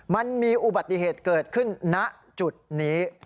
มันมีอุบัติเหตุเกิดขึ้นณจุดนี้